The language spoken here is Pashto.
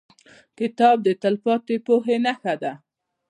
کتاب د تلپاتې پوهې نښه ده.